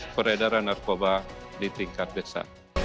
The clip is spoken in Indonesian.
peredaran narkoba di tingkat desa